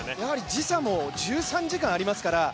時差も１３時間ありますから。